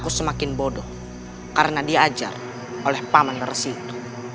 aku semakin bodoh karena diajar oleh pak manersi itu